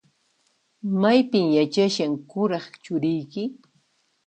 Maypin yachashan kuraq churiyki?